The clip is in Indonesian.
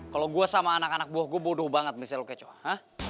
kalo gue sama anak anak buah gue bodoh banget misalnya lo kecoh